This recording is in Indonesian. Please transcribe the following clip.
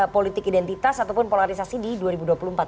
politik identitas ataupun polarisasi di dua ribu dua puluh empat